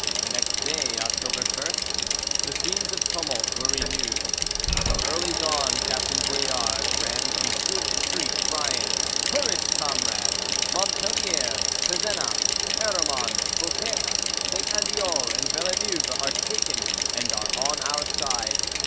Next day, October 1st, the scenes of tumult were renewed: from early dawn Captain Bouillargues ran from street to street crying, "Courage, comrades! Montpellier, Pezenas, Aramon, Beaucaire, Saint Andeol, and Villeneuve are taken, and are on our side.